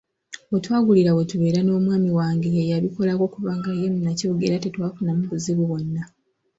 We twagulira we tubeera n’omwami wange, y'eyabikolako kubanga ye munnakibuga era tetwafunamu buzibu bwonna.